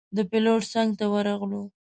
د پېلوټ څنګ ته ورغلو.